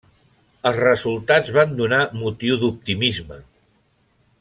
Els resultats van donar motiu d'optimisme.